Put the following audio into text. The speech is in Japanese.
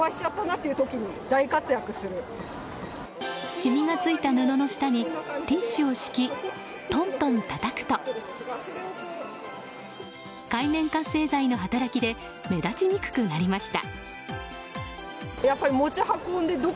シミがついた布の下にティッシュを敷きトントンたたくと界面活性剤の働きで目立ちにくくなりました。